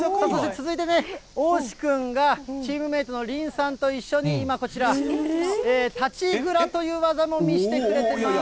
続いてね、おうし君がチームメートのりんさんと一緒に今、こちら、たちぐらという技も見せてくれてます。